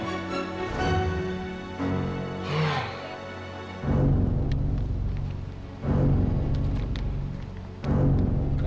aku mau berpikir lagi